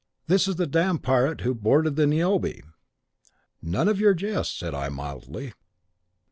this is the damned pirate who boarded the "Niobe"!'" "'None of your jests,' said I, mildly.